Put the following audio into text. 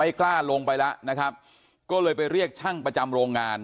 กล้าลงไปแล้วนะครับก็เลยไปเรียกช่างประจำโรงงาน